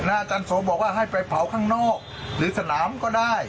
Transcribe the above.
อาจารย์โสบอกว่าให้ไปเผาข้างนอกหรือสนามก็ได้